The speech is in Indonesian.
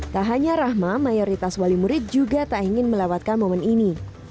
tak hanya rahma mayoritas wali murid juga tak ingin melewatkan momen ini